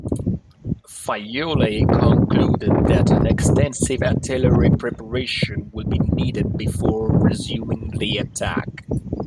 Fayolle concluded that an extensive artillery preparation would be needed before resuming the attack.